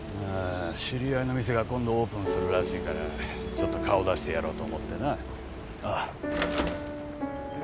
知り合いの店が今度オープンするらしいからちょっと顔を出してやろうと思ってな。